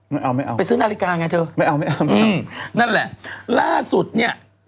ไม่เอาไปซื้อนาฬิกาไงเถอะนั่นแหละล่าสุดเนี่ย